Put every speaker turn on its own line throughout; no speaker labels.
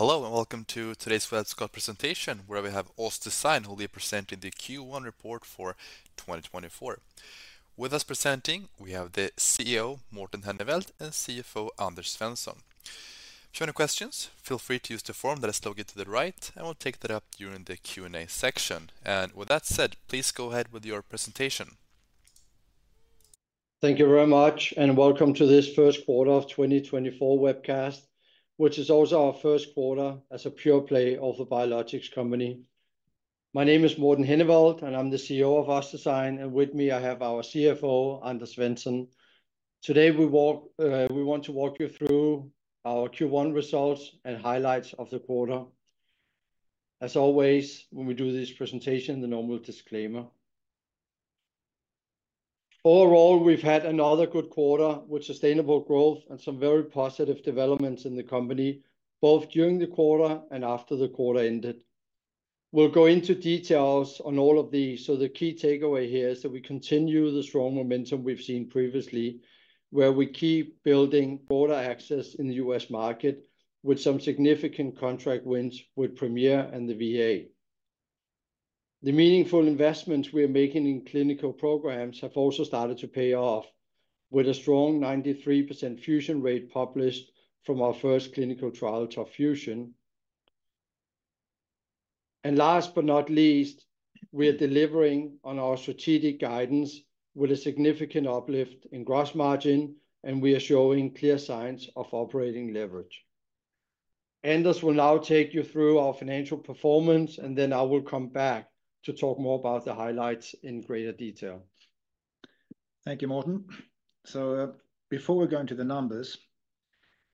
Hello and welcome to today's webcast presentation where we have OssDsign AB presenting the Q1 report for 2024. With us presenting, we have the CEO Morten Henneveld and CFO Anders Svensson. If you have any questions, feel free to use the form that is located to the right and we'll take that up during the Q&A section. With that said, please go ahead with your presentation.
Thank you very much and welcome to this first quarter of 2024 webcast, which is also our first quarter as a pure play orthobiologics company. My name is Morten Henneveld and I'm the CEO of OssDsign, and with me I have our CFO Anders Svensson. Today we want to walk you through our Q1 results and highlights of the quarter. As always, when we do this presentation, the normal disclaimer. Overall, we've had another good quarter with sustainable growth and some very positive developments in the company, both during the quarter and after the quarter ended. We'll go into details on all of these, so the key takeaway here is that we continue the strong momentum we've seen previously, where we keep building broader access in the U.S. market with some significant contract wins with Premier and the VA. The meaningful investments we are making in clinical programs have also started to pay off, with a strong 93% fusion rate published from our first clinical trial, TOP FUSION. And last but not least, we are delivering on our strategic guidance with a significant uplift in gross margin, and we are showing clear signs of operating leverage. Anders will now take you through our financial performance, and then I will come back to talk more about the highlights in greater detail.
Thank you, Morten. So before we go into the numbers,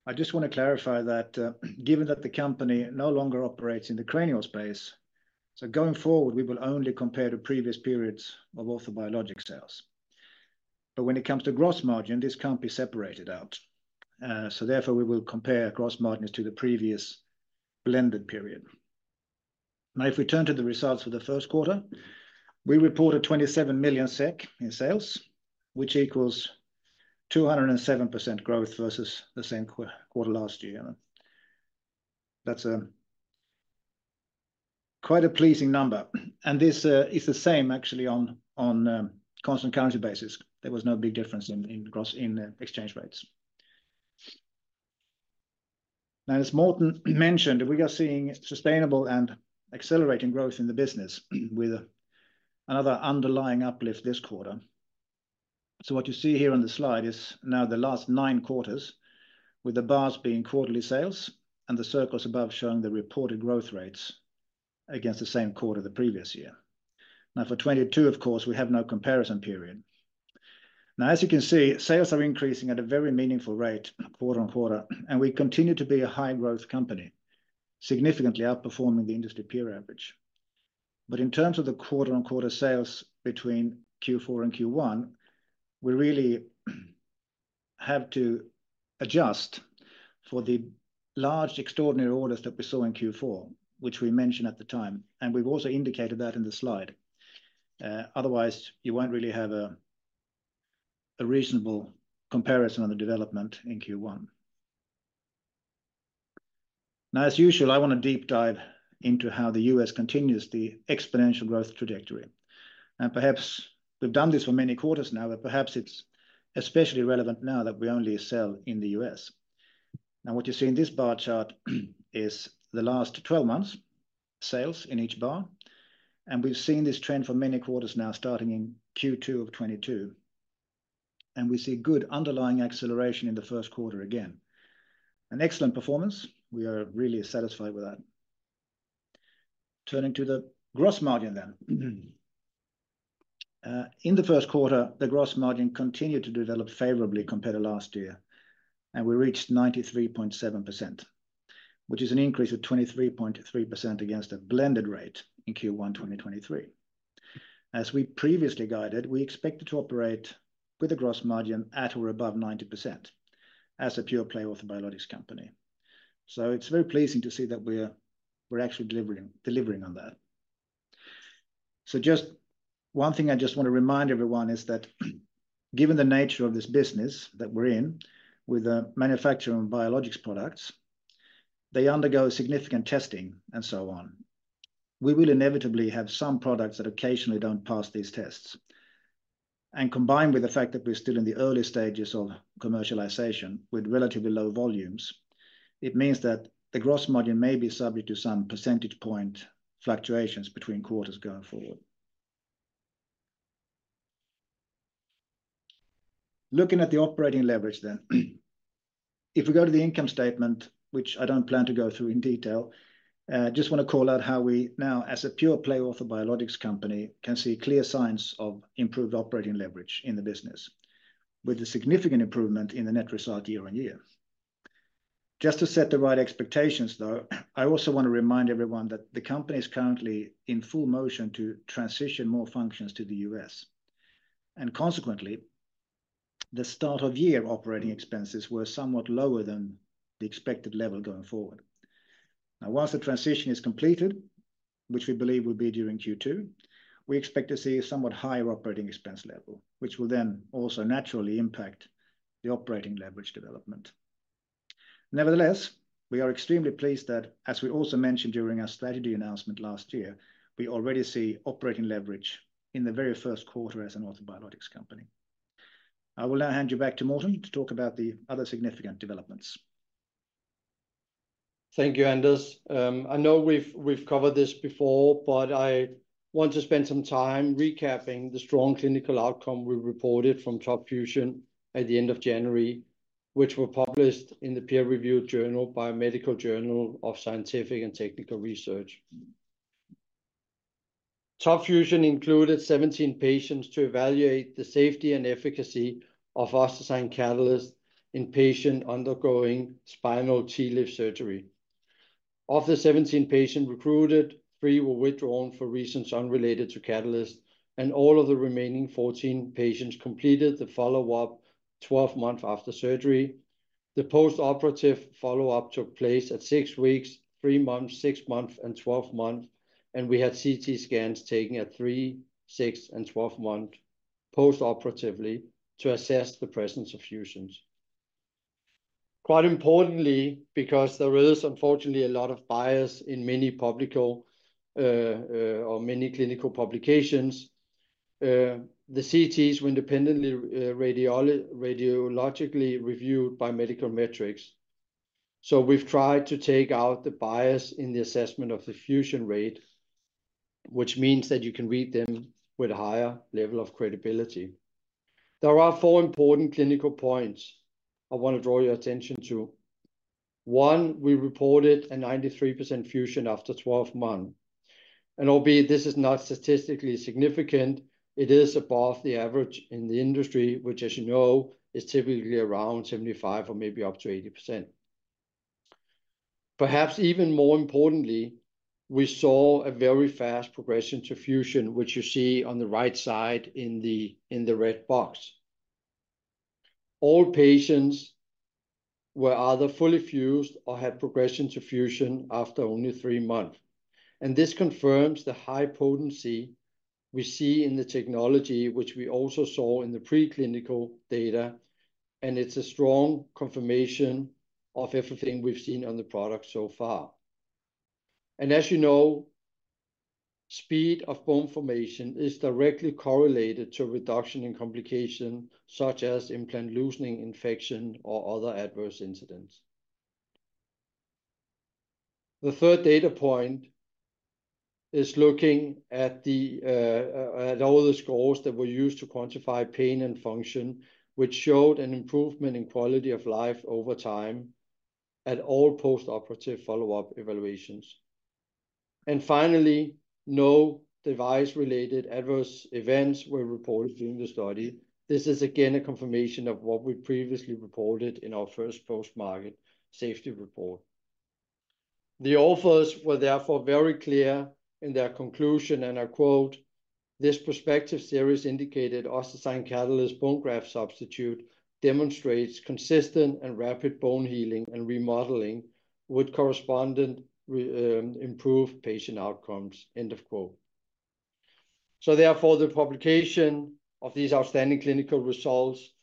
I just want to clarify that given that the company no longer operates in the cranial space, so going forward we will only compare to previous periods of all the biologics sales. But when it comes to gross margin, this can't be separated out, so therefore we will compare gross margins to the previous blended period. Now, if we turn to the results for the first quarter, we reported 27 million SEK in sales, which equals 207% growth versus the same quarter last year. That's quite a pleasing number, and this is the same actually on constant currency basis. There was no big difference in exchange rates. Now, as Morten mentioned, we are seeing sustainable and accelerating growth in the business with another underlying uplift this quarter. So what you see here on the slide is now the last nine quarters, with the bars being quarterly sales and the circles above showing the reported growth rates against the same quarter the previous year. Now, for 2022, of course, we have no comparison period. Now, as you can see, sales are increasing at a very meaningful rate quarter-on-quarter, and we continue to be a high-growth company, significantly outperforming the industry peer average. But in terms of the quarter-on-quarter sales between Q4 and Q1, we really have to adjust for the large extraordinary orders that we saw in Q4, which we mentioned at the time, and we've also indicated that in the slide. Otherwise, you won't really have a reasonable comparison on the development in Q1. Now, as usual, I want to deep dive into how the U.S. continues the exponential growth trajectory. Perhaps we've done this for many quarters now, but perhaps it's especially relevant now that we only sell in the U.S. Now, what you see in this bar chart is the last 12 months sales in each bar, and we've seen this trend for many quarters now starting in Q2 of 2022. We see good underlying acceleration in the first quarter again. An excellent performance. We are really satisfied with that. Turning to the gross margin then. In the first quarter, the gross margin continued to develop favorably compared to last year, and we reached 93.7%, which is an increase of 23.3% against a blended rate in Q1 2023. As we previously guided, we expected to operate with a gross margin at or above 90% as a pure play orthobiologics company. It's very pleasing to see that we're actually delivering on that. So just one thing I just want to remind everyone is that given the nature of this business that we're in with a manufacturer of biologics products, they undergo significant testing and so on. We will inevitably have some products that occasionally don't pass these tests. And combined with the fact that we're still in the early stages of commercialization with relatively low volumes, it means that the gross margin may be subject to some percentage point fluctuations between quarters going forward. Looking at the operating leverage then, if we go to the income statement, which I don't plan to go through in detail, I just want to call out how we now, as a pure play orthobiologics company, can see clear signs of improved operating leverage in the business, with a significant improvement in the net result year-over-year. Just to set the right expectations, though, I also want to remind everyone that the company is currently in full motion to transition more functions to the U.S. Consequently, the start of year operating expenses were somewhat lower than the expected level going forward. Now, once the transition is completed, which we believe will be during Q2, we expect to see a somewhat higher operating expense level, which will then also naturally impact the operating leverage development. Nevertheless, we are extremely pleased that, as we also mentioned during our strategy announcement last year, we already see operating leverage in the very first quarter as an orthobiologics company. I will now hand you back to Morten to talk about the other significant developments.
Thank you, Anders. I know we've covered this before, but I want to spend some time recapping the strong clinical outcome we reported from TOP FUSION at the end of January, which were published in the peer-reviewed journal Biomedical Journal of Scientific and Technical Research. TOP FUSION included 17 patients to evaluate the safety and efficacy of OssDsign Catalyst in patients undergoing spinal TLIF surgery. Of the 17 patients recruited, three were withdrawn for reasons unrelated to Catalyst, and all of the remaining 14 patients completed the follow-up 12 months after surgery. The postoperative follow-up took place at six weeks, three months, six months, and 12 months, and we had CT scans taken at three, six, and 12 months postoperatively to assess the presence of fusions. Quite importantly, because there is unfortunately a lot of bias in many public or many clinical publications, the CTs were independently radiologically reviewed by Medical Metrics. So we've tried to take out the bias in the assessment of the fusion rate, which means that you can read them with a higher level of credibility. There are four important clinical points I want to draw your attention to. One, we reported a 93% fusion after 12 months. Albeit this is not statistically significant, it is above the average in the industry, which, as you know, is typically around 75% or maybe up to 80%. Perhaps even more importantly, we saw a very fast progression to fusion, which you see on the right side in the red box. All patients were either fully fused or had progression to fusion after only three months. This confirms the high potency we see in the technology, which we also saw in the preclinical data, and it's a strong confirmation of everything we've seen on the product so far. As you know, speed of bone formation is directly correlated to reduction in complication such as implant loosening, infection, or other adverse incidents. The third data point is looking at all the scores that were used to quantify pain and function, which showed an improvement in quality of life over time at all postoperative follow-up evaluations. Finally, no device-related adverse events were reported during the study. This is again a confirmation of what we previously reported in our first post-market safety report. The authors were therefore very clear in their conclusion and I quote, "This prospective series indicated OssDsign Catalyst bone graft substitute demonstrates consistent and rapid bone healing and remodeling with correspondent improved patient outcomes." End of quote. So therefore, the publication of these outstanding clinical results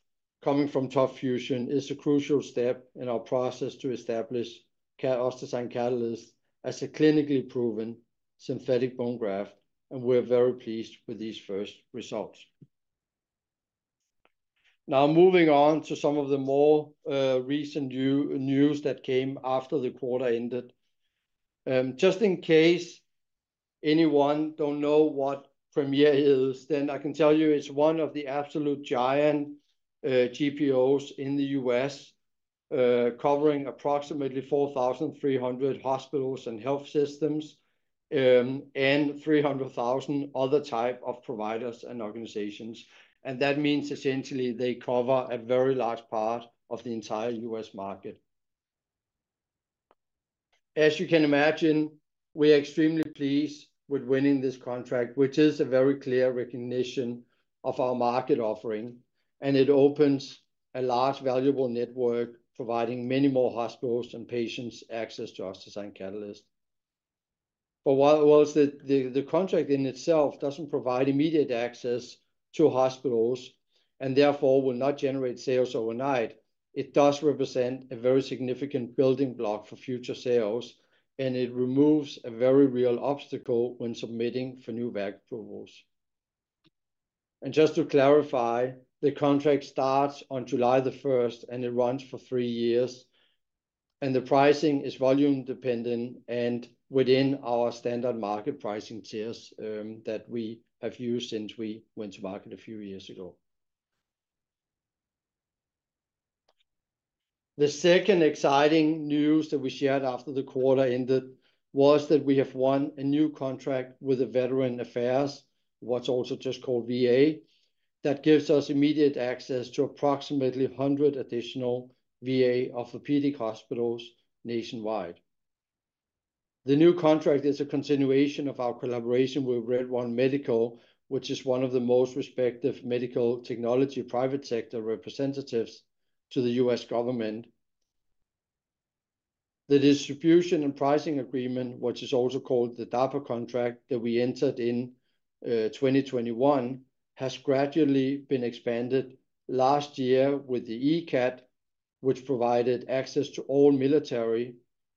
coming from TOP FUSION is a crucial step in our process to establish OssDsign Catalyst as a clinically proven synthetic bone graft, and we're very pleased with these first results. Now, moving on to some of the more recent news that came after the quarter ended. Just in case anyone don't know what Premier is, then I can tell you it's one of the absolute giant GPOs in the U.S., covering approximately 4,300 hospitals and health systems and 300,000 other types of providers and organizations. That means essentially they cover a very large part of the entire U.S. market. As you can imagine, we are extremely pleased with winning this contract, which is a very clear recognition of our market offering, and it opens a large valuable network providing many more hospitals and patients access to OssDsign Catalyst. But while the contract in itself doesn't provide immediate access to hospitals and therefore will not generate sales overnight, it does represent a very significant building block for future sales, and it removes a very real obstacle when submitting for new VAC approvals. And just to clarify, the contract starts on July 1st, and it runs for three years. And the pricing is volume-dependent and within our standard market pricing tiers that we have used since we went to market a few years ago. The second exciting news that we shared after the quarter ended was that we have won a new contract with a Veterans Affairs, what's also just called VA, that gives us immediate access to approximately 100 additional VA orthopedic hospitals nationwide. The new contract is a continuation of our collaboration with RedOne Medical, which is one of the most respected medical technology private sector representatives to the U.S. government. The distribution and pricing agreement, which is also called the DAPA contract that we entered in 2021, has gradually been expanded last year with the ECAT, which provided access to all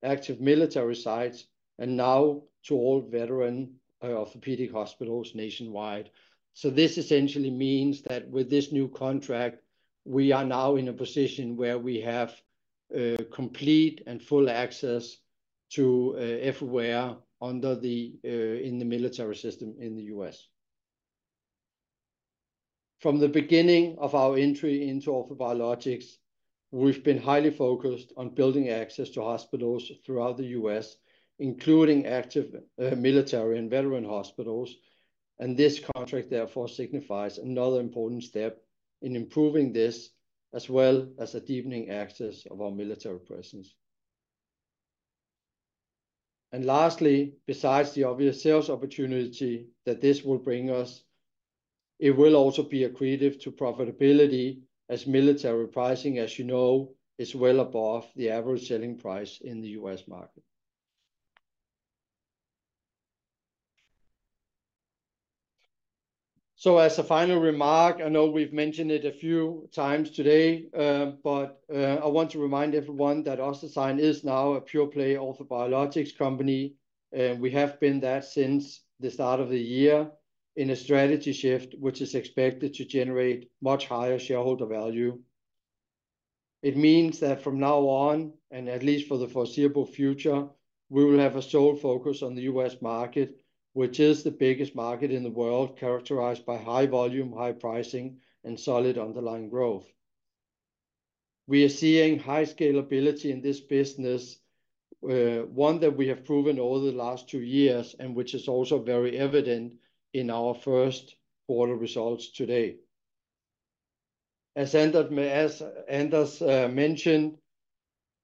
active military sites and now to all veteran orthopedic hospitals nationwide. So this essentially means that with this new contract, we are now in a position where we have complete and full access to everywhere in the military system in the U.S. From the beginning of our entry into orthobiologics, we've been highly focused on building access to hospitals throughout the U.S., including active military and veteran hospitals. And this contract, therefore, signifies another important step in improving this, as well as a deepening access of our military presence. And lastly, besides the obvious sales opportunity that this will bring us, it will also be a contributor to profitability as military pricing, as you know, is well above the average selling price in the U.S. market. So as a final remark, I know we've mentioned it a few times today, but I want to remind everyone that OssDsign is now a pure play orthobiologics company. We have been that since the start of the year in a strategy shift, which is expected to generate much higher shareholder value. It means that from now on, and at least for the foreseeable future, we will have a sole focus on the U.S. market, which is the biggest market in the world, characterized by high volume, high pricing, and solid underlying growth. We are seeing high scalability in this business, one that we have proven over the last two years and which is also very evident in our first quarter results today. As Anders mentioned,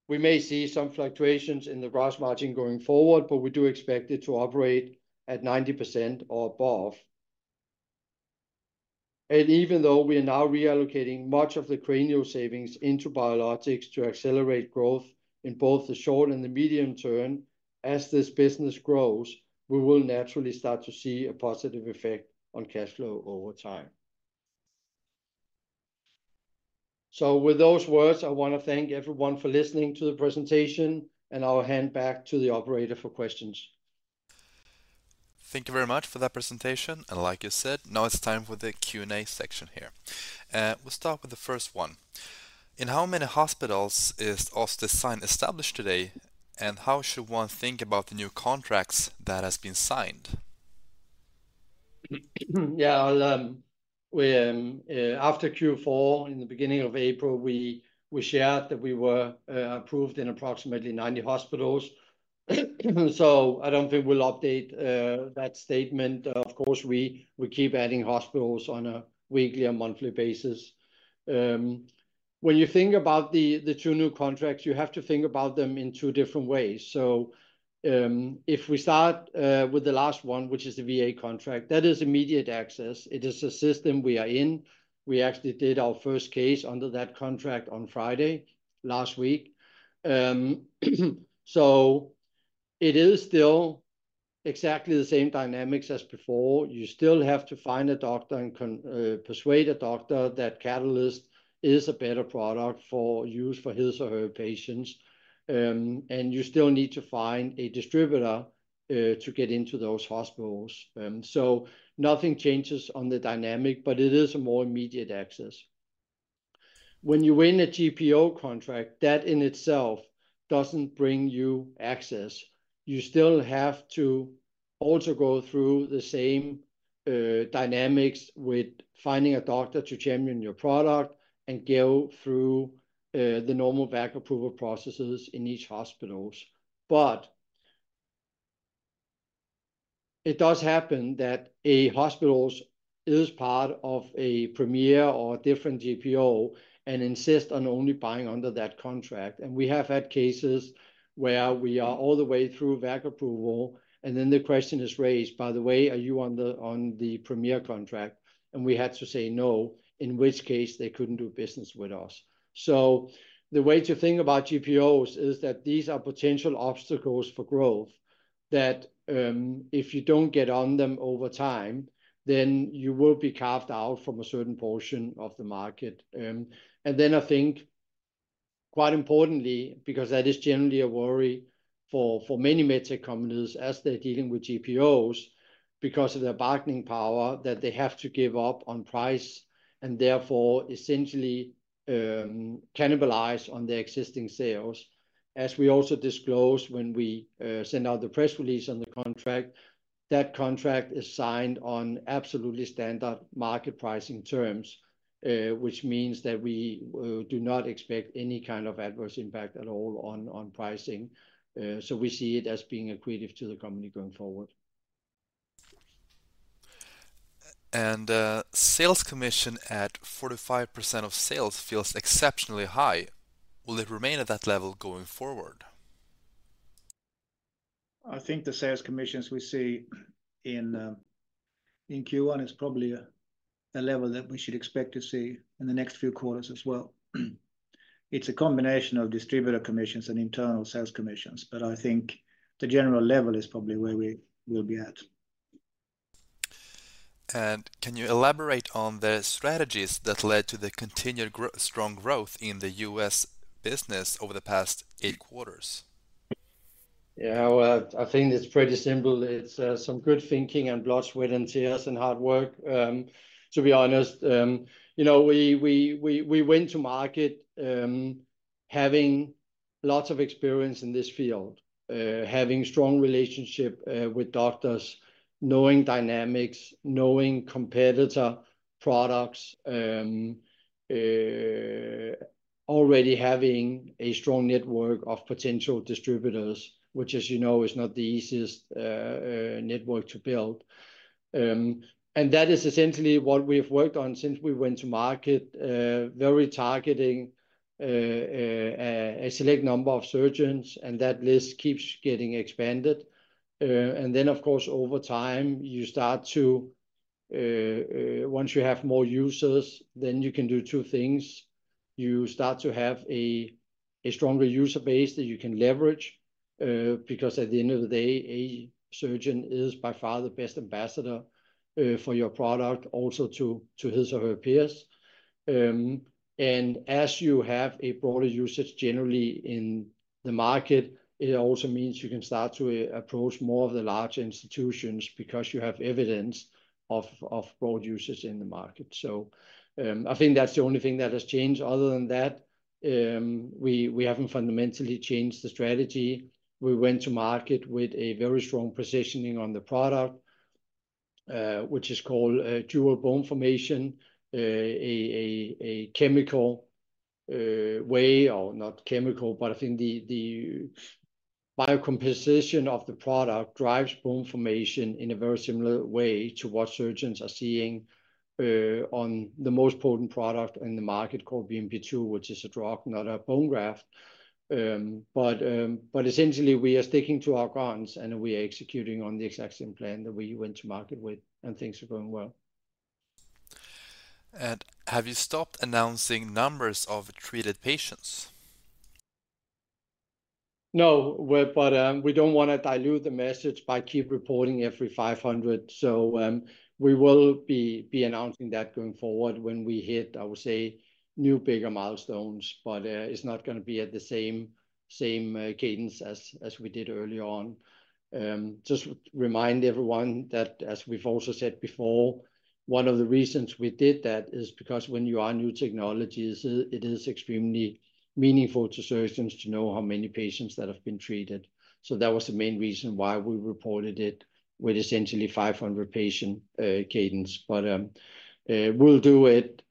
we may see some fluctuations in the gross margin going forward, but we do expect it to operate at 90% or above. Even though we are now reallocating much of the cranial savings into biologics to accelerate growth in both the short and the medium term, as this business grows, we will naturally start to see a positive effect on cash flow over time. With those words, I want to thank everyone for listening to the presentation and I'll hand back to the operator for questions.
Thank you very much for that presentation. Like you said, now it's time for the Q&A section here. We'll start with the first one. In how many hospitals is OssDsign established today, and how should one think about the new contracts that have been signed?
Yeah, after Q4, in the beginning of April, we shared that we were approved in approximately 90 hospitals. So I don't think we'll update that statement. Of course, we keep adding hospitals on a weekly and monthly basis. When you think about the two new contracts, you have to think about them in two different ways. So if we start with the last one, which is the VA contract, that is immediate access. It is a system we are in. We actually did our first case under that contract on Friday last week. So it is still exactly the same dynamics as before. You still have to find a doctor and persuade a doctor that Catalyst is a better product for use for his or her patients. And you still need to find a distributor to get into those hospitals. So nothing changes on the dynamic, but it is a more immediate access. When you win a GPO contract, that in itself doesn't bring you access. You still have to also go through the same dynamics with finding a doctor to champion your product and go through the normal VAC approval processes in each hospital. But it does happen that a hospital is part of a Premier or a different GPO and insists on only buying under that contract. And we have had cases where we are all the way through VAC approval, and then the question is raised, "By the way, are you on the Premier contract?" And we had to say no, in which case they couldn't do business with us. So the way to think about GPOs is that these are potential obstacles for growth that if you don't get on them over time, then you will be carved out from a certain portion of the market. And then I think, quite importantly, because that is generally a worry for many medtech companies as they're dealing with GPOs because of their bargaining power, that they have to give up on price and therefore essentially cannibalize on their existing sales. As we also disclose when we send out the press release on the contract, that contract is signed on absolutely standard market pricing terms, which means that we do not expect any kind of adverse impact at all on pricing. So we see it as being a creative to the company going forward.
Sales commission at 45% of sales feels exceptionally high. Will it remain at that level going forward?
I think the sales commissions we see in Q1 is probably a level that we should expect to see in the next few quarters as well. It's a combination of distributor commissions and internal sales commissions, but I think the general level is probably where we will be at.
Can you elaborate on the strategies that led to the continued strong growth in the U.S. business over the past eight quarters?
Yeah, I think it's pretty simple. It's some good thinking and blood, sweat, and tears and hard work. To be honest, you know, we went to market having lots of experience in this field, having a strong relationship with doctors, knowing dynamics, knowing competitor products, already having a strong network of potential distributors, which, as you know, is not the easiest network to build. And that is essentially what we have worked on since we went to market, very targeting a select number of surgeons, and that list keeps getting expanded. And then, of course, over time, you start to, once you have more users, then you can do two things. You start to have a stronger user base that you can leverage because at the end of the day, a surgeon is by far the best ambassador for your product, also to his or her peers. And as you have a broader usage generally in the market, it also means you can start to approach more of the large institutions because you have evidence of broad usage in the market. So I think that's the only thing that has changed. Other than that, we haven't fundamentally changed the strategy. We went to market with a very strong positioning on the product, which is called dual bone formation, a chemical way or not chemical, but I think the biocomposition of the product drives bone formation in a very similar way to what surgeons are seeing on the most potent product in the market called BMP-2, which is a drug, not a bone graft. But essentially, we are sticking to our guns and we are executing on the exact same plan that we went to market with, and things are going well.
Have you stopped announcing numbers of treated patients?
No, but we don't want to dilute the message by keeping on reporting every 500. So we will be announcing that going forward when we hit, I would say, new bigger milestones, but it's not going to be at the same cadence as we did earlier on. Just remind everyone that, as we've also said before, one of the reasons we did that is because when you have new technologies, it is extremely meaningful to surgeons to know how many patients have been treated. So that was the main reason why we reported it with essentially 500-patient cadence. But we'll do it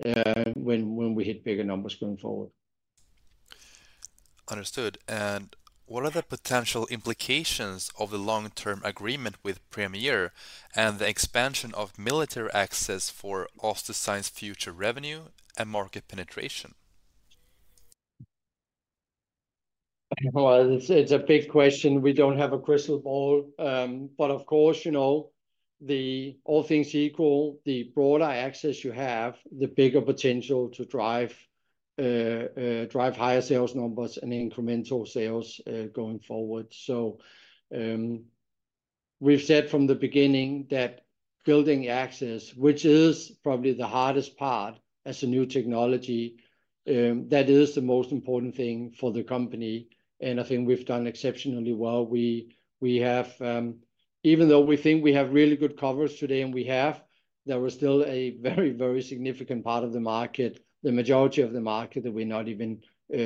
when we hit bigger numbers going forward.
Understood. And what are the potential implications of the long-term agreement with Premier and the expansion of military access for OssDsign's future revenue and market penetration?
Well, it's a big question. We don't have a crystal ball. But of course, all things equal, the broader access you have, the bigger potential to drive higher sales numbers and incremental sales going forward. So we've said from the beginning that building access, which is probably the hardest part as a new technology, that is the most important thing for the company. And I think we've done exceptionally well. Even though we think we have really good covers today, and we have, there was still a very, very significant part of the market, the majority of the market that we're not even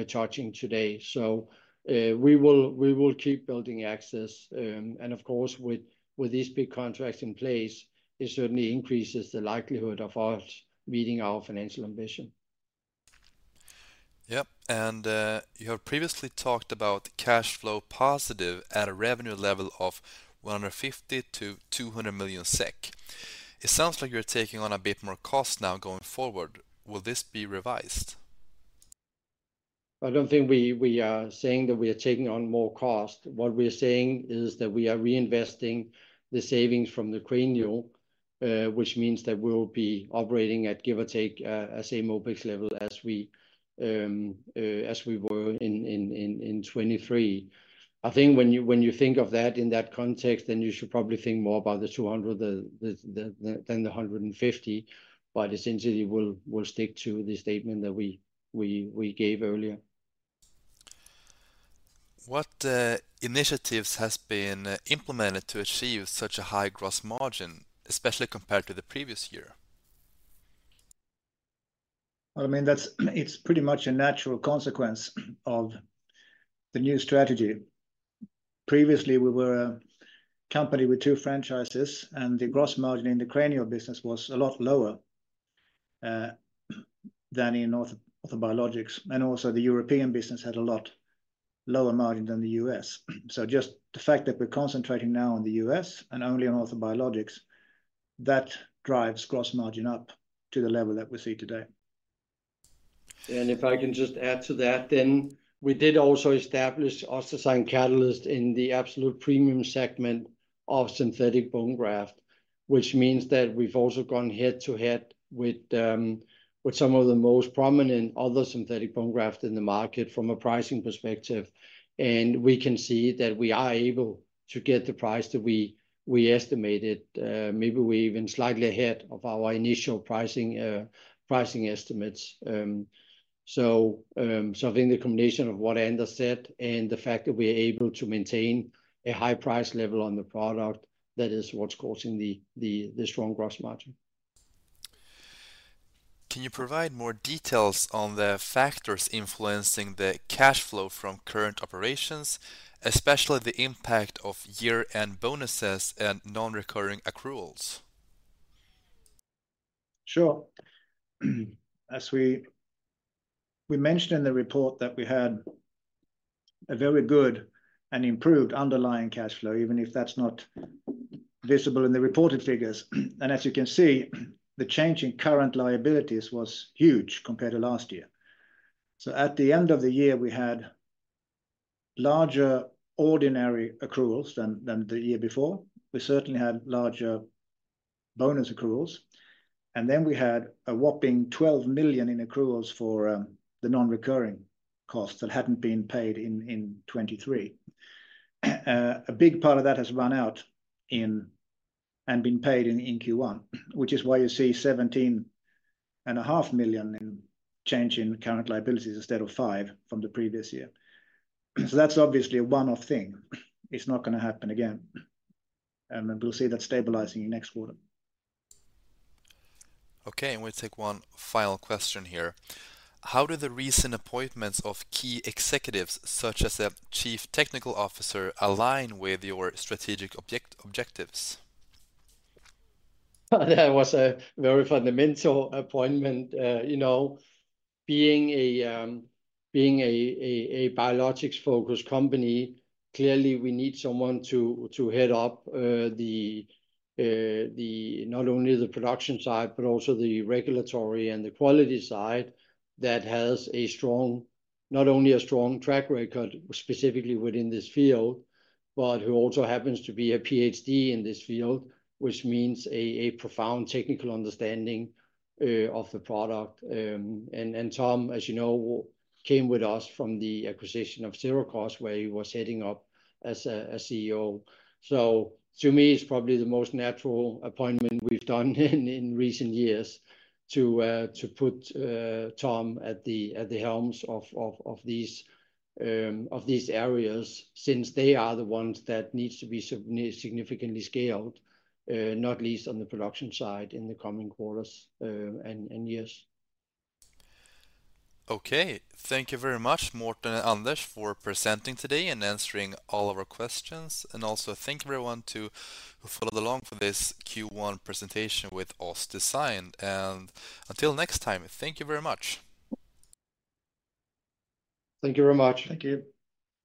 touching today. So we will keep building access. And of course, with these big contracts in place, it certainly increases the likelihood of us meeting our financial ambition.
Yep. You have previously talked about cash flow positive at a revenue level of 150-200 million SEK. It sounds like you're taking on a bit more cost now going forward. Will this be revised?
I don't think we are saying that we are taking on more cost. What we are saying is that we are reinvesting the savings from the cranial, which means that we'll be operating at give or take the same OpEx level as we were in 2023. I think when you think of that in that context, then you should probably think more about the 200 than the 150. But essentially, we'll stick to the statement that we gave earlier.
What initiatives have been implemented to achieve such a high gross margin, especially compared to the previous year?
I mean, it's pretty much a natural consequence of the new strategy. Previously, we were a company with two franchises, and the gross margin in the cranial business was a lot lower than in orthobiologics. And also, the European business had a lot lower margin than the U.S. So just the fact that we're concentrating now on the U.S. and only on orthobiologics, that drives gross margin up to the level that we see today.
And if I can just add to that, then we did also establish OssDsign Catalyst in the absolute premium segment of synthetic bone graft, which means that we've also gone head-to-head with some of the most prominent other synthetic bone grafts in the market from a pricing perspective. And we can see that we are able to get the price that we estimated. Maybe we're even slightly ahead of our initial pricing estimates. So I think the combination of what Anders said and the fact that we're able to maintain a high price level on the product, that is what's causing the strong gross margin.
Can you provide more details on the factors influencing the cash flow from current operations, especially the impact of year-end bonuses and non-recurring accruals?
Sure. We mentioned in the report that we had a very good and improved underlying cash flow, even if that's not visible in the reported figures. As you can see, the change in current liabilities was huge compared to last year. At the end of the year, we had larger ordinary accruals than the year before. We certainly had larger bonus accruals. Then we had a whopping 12 million in accruals for the non-recurring costs that hadn't been paid in 2023. A big part of that has run out and been paid in Q1, which is why you see 17.5 million in change in current liabilities instead of 5 million from the previous year. That's obviously a one-off thing. It's not going to happen again. We'll see that stabilizing next quarter.
Okay. We'll take one final question here. How do the recent appointments of key executives, such as a chief technical officer, align with your strategic objectives?
That was a very fundamental appointment. Being a biologics-focused company, clearly, we need someone to head up not only the production side, but also the regulatory and the quality side that has not only a strong track record specifically within this field, but who also happens to be a PhD in this field, which means a profound technical understanding of the product. And Tom, as you know, came with us from the acquisition of Sirakoss, where he was heading up as a CEO. So to me, it's probably the most natural appointment we've done in recent years to put Tom at the helm of these areas since they are the ones that need to be significantly scaled, not least on the production side in the coming quarters and years.
Okay. Thank you very much, Morten and Anders, for presenting today and answering all of our questions. Also thank everyone who followed along for this Q1 presentation with OssDsign. Until next time, thank you very much.
Thank you very much.
Thank you.